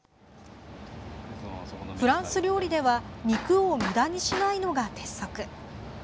フランス料理では肉をむだにしないのが鉄則。